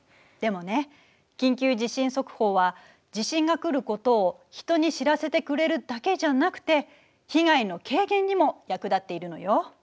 でもね緊急地震速報は地震が来ることを人に知らせてくれるだけじゃなくて被害の軽減にも役立っているのよ。